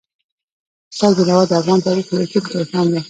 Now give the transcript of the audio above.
استاد بینوا د افغان تاریخ لیکونکی هم و.